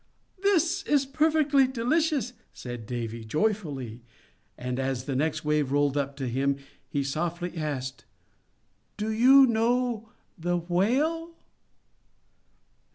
"This is perfectly delicious!" said Davy, joyfully, and as the next Wave rolled up to him he softly asked, "Do you know the Whale?"